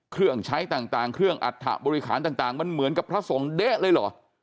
เครื่องใช้ต่างเครื่องอัฐบริหารต่างมันเหมือนกับพระสงฆ์เด๊ะเลยเหรอ